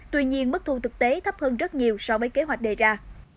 tuy nhiên mức thu thực tế thấp hơn rất nhiều so với kế hoạch đề ra